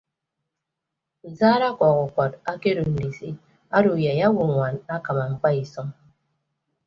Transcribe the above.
Nsaat ọkọọk ukọt okodo ndisi ọdọ uyai owoññwaan akama ñkpa isʌñ.